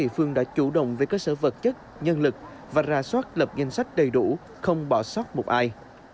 phương đã chủ động về cơ sở vật chất nhân lực và ra soát lập danh sách đầy đủ không bỏ sót một ai